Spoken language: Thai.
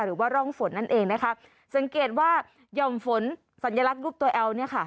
หรือว่าร่องฝนนั่นเองนะคะสังเกตว่าหย่อมฝนสัญลักษณ์รูปตัวแอลเนี่ยค่ะ